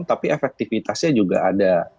tapi efektivitasnya juga ada